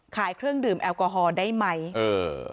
เครื่องดื่มแอลกอฮอลได้ไหมเออ